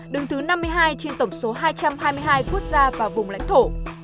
đứng thứ năm mươi hai trên tổng số hai trăm hai mươi hai quốc gia và vùng lãnh thổ